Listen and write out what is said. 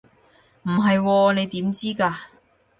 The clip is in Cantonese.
唔係喎，你點知㗎？